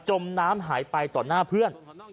มน้ำหายไปต่อหน้าเพื่อน